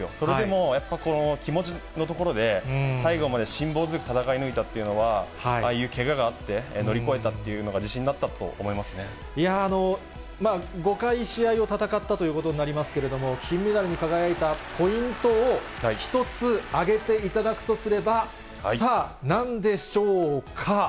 それでも、やっぱこの気持ちのところで、最後まで辛抱強く戦い抜いたというのは、ああいうけががあって、乗り越えたっていうのが、５回試合を戦ったということになりますけれども、金メダルに輝いたポイントを１つ挙げていただくとすれば、さあ、なんでしょうか。